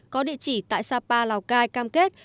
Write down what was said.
có địa chỉ tại sapa lào cai cam kết